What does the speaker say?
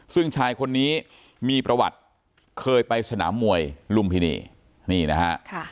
ซึ่งชายคนนี้มีประวัติเคยไปสนามมวยลุมพินีนี่นะฮะ